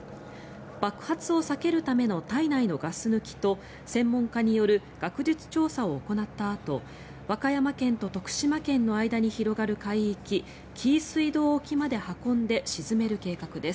爆発を避けるための体内のガス抜きと専門家による学術調査を行ったあと和歌山県と徳島県の間に広がる水域紀伊水道沖まで運んで沈める計画です。